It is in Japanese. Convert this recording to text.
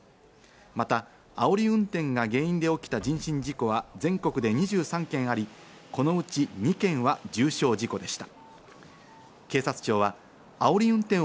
また、あおり運転が原因で起きた人身事故は全国で２３件あり、このうち２件は重傷事故でした。